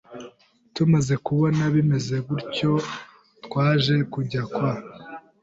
Tumaze kubona bimeze bityo twaje kujya kwa